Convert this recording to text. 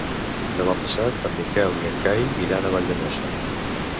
Demà passat en Miquel i en Cai iran a Valldemossa.